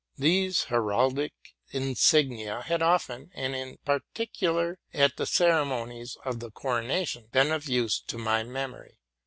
These heraldic insignia had often, and in particular at the ceremonies of the coronation, been of use to my memory.